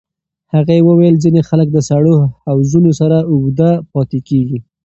هغې وویل ځینې خلک د سړو حوضونو سره اوږد پاتې کېږي.